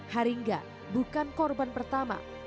haringga bukan korban pertama